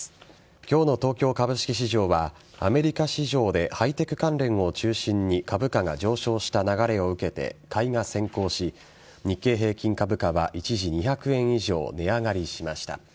今日の東京株式市場はアメリカ市場でハイテク関連を中心に株価が上昇した流れを受けて買いが先行し日経平均株価は一時２００円以上値上がりしました。